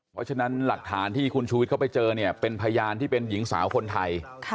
เพราะฉะนั้นหลักฐานที่คุณชูวิทย์เขาไปเจอเนี่ยเป็นพยานที่เป็นหญิงสาวคนไทย